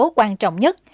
yếu tố quan trọng nhất